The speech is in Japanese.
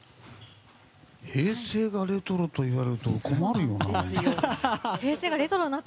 平成がレトロといわれると困るよな。